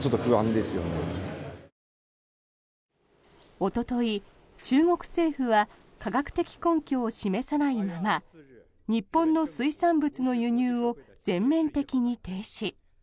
おととい、中国政府は科学的根拠を示さないまま日本の水産物の輸入を全面的に停止。